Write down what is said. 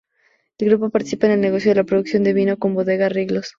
El grupo participa en el negocio de la producción de vino con Bodega Riglos.